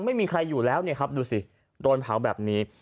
ไม่มีใครอยู่แล้วดูสิโดนเผาแบบนี้